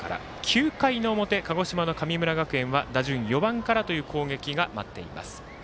９回の表、鹿児島の神村学園は打順４番からという攻撃が待っています。